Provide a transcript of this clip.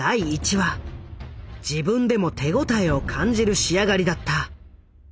自分でも手応えを感じる仕上がりだった。